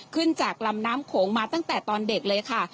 ขึ้นจากลำน้ำโขงมาตั้งแต่ตอนเด็กเลยค่ะ